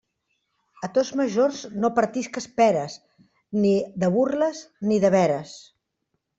A tos majors no partisques peres, ni de burles ni de veres.